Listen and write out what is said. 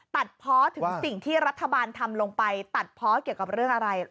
เพาะถึงสิ่งที่รัฐบาลทำลงไปตัดเพาะเกี่ยวกับเรื่องอะไร